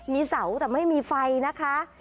มีเสาแต่ไม่มีไฟนะคะ